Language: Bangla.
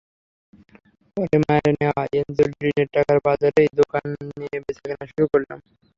পরে মায়ের নেওয়া এনজিওর ঋণের টাকায় বাজারেই দোকান দিয়ে কেনাবেচা শুরু করলাম।